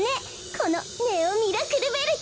このネオ・ミラクルベルト！